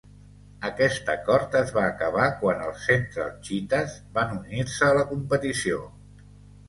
Aquest acord es va acabar quan els Central Cheetahs van unir-se a la competició.